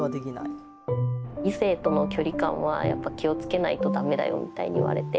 「『異性との距離感はやっぱ気を付けないとダメだよ』みたいに言われて」。